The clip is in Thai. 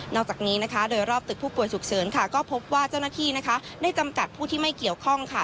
จากนี้นะคะโดยรอบตึกผู้ป่วยฉุกเฉินค่ะก็พบว่าเจ้าหน้าที่นะคะได้จำกัดผู้ที่ไม่เกี่ยวข้องค่ะ